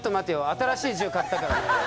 新しい銃買ったから」。